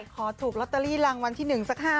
ขอถูกลอตเตอรี่รางวัลที่๑สัก๕